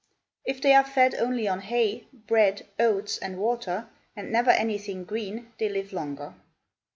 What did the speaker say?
If they are fed only on hay, bread, oats, and water, and never anything green, they live longer.